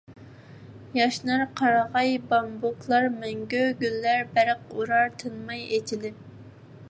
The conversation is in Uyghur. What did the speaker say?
ياشنار قارىغاي، بامبۇكلار مەڭگۈ، گۈللەر بەرق ئۇرار تىنماي ئېچىلىپ.